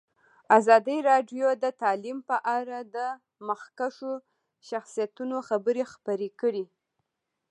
ازادي راډیو د تعلیم په اړه د مخکښو شخصیتونو خبرې خپرې کړي.